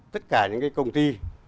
tất cả những cái công ty